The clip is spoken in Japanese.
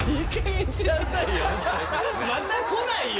また来ないよ！